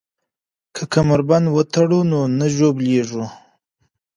که کمربند وتړو نو نه ژوبلیږو.